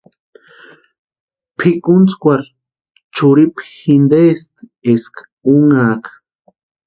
Pʼikuntskwarhu churhipu jintesti eska únhaka.